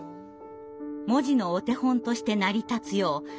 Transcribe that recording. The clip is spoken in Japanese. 文字のお手本として成り立つよう「はらい」を調整。